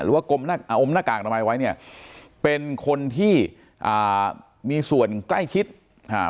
หรือว่ากมอ่าอมหน้ากากออกมาเอาไว้เนี้ยเป็นคนที่อ่ามีส่วนใกล้ชิดอ่า